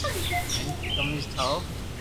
ھون قميس ٺاو